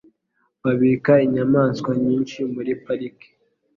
Babika inyamaswa nyinshi muri pariki.